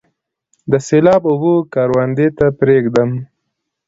د سیلاب اوبه کروندې ته پریږدم؟